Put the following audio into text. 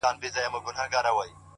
• یا یې په برخه د لېوه داړي ,